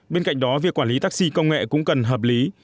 bên cạnh đó việc quản lý taxi công nghệ cũng cần hợp lý